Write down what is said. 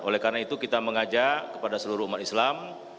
oleh karena itu kita mengajak kepada seluruh umat islam